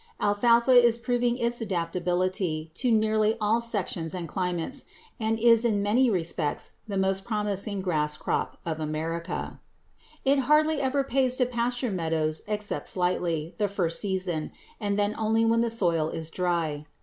Alfalfa is proving its adaptability to nearly all sections and climates, and is in many respects the most promising grass crop of America. [Illustration: FIG. 227. BERMUDA] It hardly ever pays to pasture meadows, except slightly, the first season, and then only when the soil is dry.